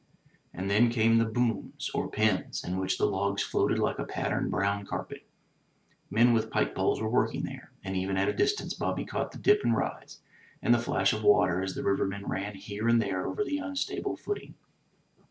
And then came the "booms or pens, in which the logs floated like a patterned brown carpet. Men with pike poles were working there; and even at a distance Bobby caught the dip and rise, and the flash of water as the rivermen ran here and there over the unstable footing.